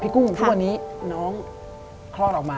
กุ้งทุกวันนี้น้องคลอดออกมา